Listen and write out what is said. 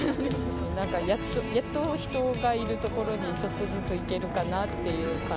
なんかやっと人がいる所にちょっとずつ行けるかなっていう感